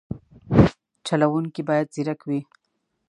چلوونکی باید ځیرک وي.